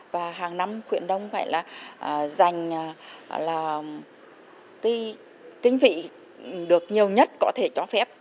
và hàng năm khuyến nông phải là dành tinh vị được nhiều nhất có thể cho phép